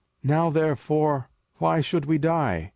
05:005:025 Now therefore why should we die?